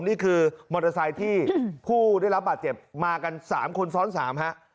นี่คือมอเตอร์ไซค์ที่ผู้ได้รับบาดเจ็บมากัน๓คนซ้อน๓ฮะ